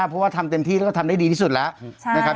เพราะว่าทำเต็มที่และทำได้ดีที่สุดแล้ว